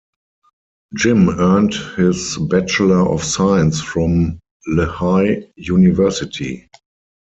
Jim earned his Bachelor of Science from Lehigh University.